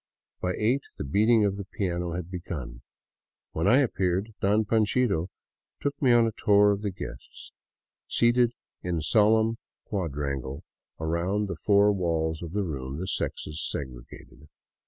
By eight the beating of the piano had begun. When I appeared, " Don Panchito " took me on a tour of the guests, seated in solemn quadrangle around the four walls of the room, the sexes segregated.